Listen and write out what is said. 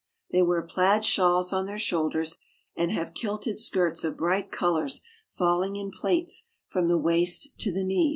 They wear plaid shawls on their shoulders, and have kilted skirts of bright colors falling in plaits from the waist to the knee.